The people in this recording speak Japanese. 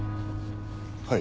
はい。